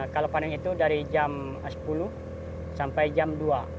kalau panen itu dari jam sepuluh sampai jam dua